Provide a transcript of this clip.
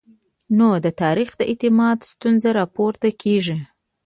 نو د تاریخ د اعتبار ستونزه راپورته کېږي.